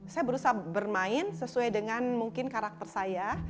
saya berusaha bermain sesuai dengan mungkin karakter saya